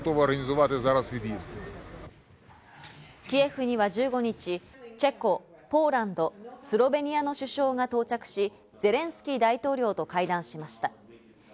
キエフには１５日、チェコ、ポーランド、スロベニアの首相が到着し、ゼレンスキー大統領と会談しました。